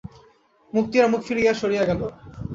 মুক্তিয়ার মুখ ফিরাইয়া সরিয়া গেল।